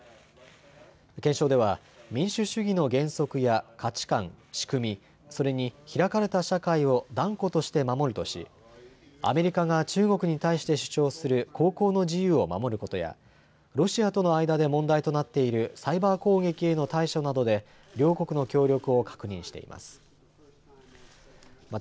憲章では民主主義の原則や価値観、仕組み、それに開かれた社会を断固として守るとし、アメリカが中国に対して主張する航行の自由を守ることやロシアとの間で問題となっているサイバー攻撃への対処などで両国の協力を確認しています。